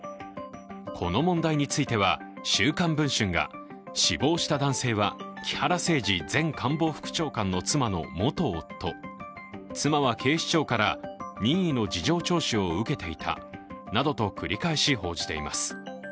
この問題については「週刊文春」が死亡した男性は木原誠二前官房副長官の妻の元夫、妻は警視庁から任意の事情聴取を受けていたなどと繰り返し報じています。